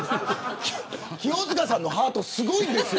清塚さんのハートすごいんです。